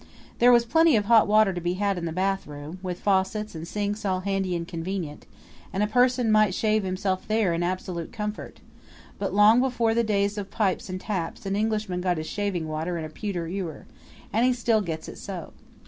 There was plenty of hot water to be had in the bathroom, with faucets and sinks all handy and convenient, and a person might shave himself there in absolute comfort; but long before the days of pipes and taps an Englishman got his shaving water in a pewter ewer, and he still gets it so.